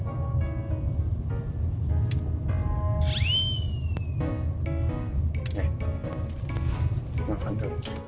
nih makan dulu